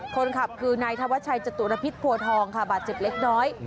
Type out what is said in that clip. คนขับคือนายธวัชชัยจตุรพิษโพทองค่ะบาดเจ็บเล็กน้อย